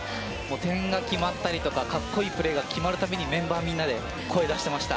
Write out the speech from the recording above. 点が決まったり格好いいプレーが決まるたびメンバーみんなで声出してました。